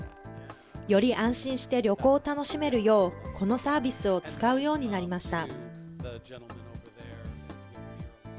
より安心して旅行を楽しめるよう、このサービスを使うようになりました。